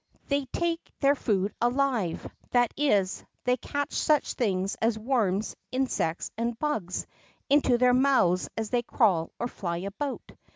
They take their food alive; that is, they catch such things as worms, insects, and hugs into their mouths as they crawl or fly about.